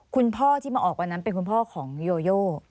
คุณพ่อที่มาออกวันนั้นเป็นคุณพ่อของโยโย